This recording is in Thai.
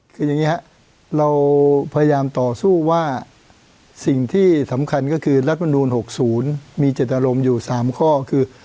คือยังงี้ฮะเราพยายามต่อสู้ว่าสิ่งที่สำคัญก็คือรัฐบาลนูนหกศูนย์มีเจตรมอยู่สามข้อคือ